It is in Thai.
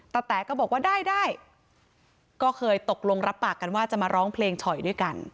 แต๋ก็บอกว่าได้ได้ก็เคยตกลงรับปากกันว่าจะมาร้องเพลงฉ่อยด้วยกัน